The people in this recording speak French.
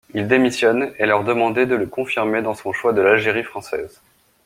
Il démissionne et leur demander de le confirmer dans son choix de l'Algérie Française.